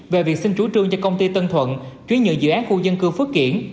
về việc xin chủ trương cho công ty tân thuận chuyển nhượng dự án khu dân cư phước kiển